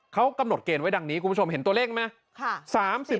เขากำหนดเกณฑ์ไว้ดังนี้คุณผู้ชมเห็นตัวเลขไหม